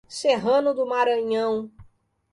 Serrano do Maranhão